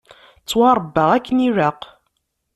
Ttwaṛebbaɣ akken ilaq.